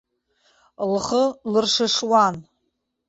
Лхы лыршышуан.